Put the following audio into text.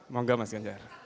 mau enggak mas ganjar